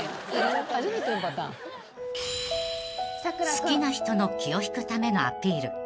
［好きな人の気を引くためのアピール］